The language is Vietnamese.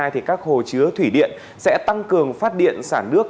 các hồ chứa thủy điện sẽ tăng cường phát điện sản nước